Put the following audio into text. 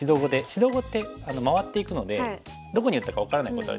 指導碁って回っていくのでどこに打ったか分からないことあるじゃないですか。